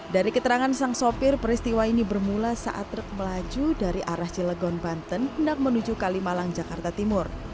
dari keterangan sang sopir peristiwa ini bermula saat truk melaju dari arah cilegon banten hendak menuju kalimalang jakarta timur